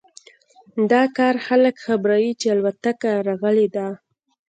دا کار خلک خبروي چې الوتکه راغلی ده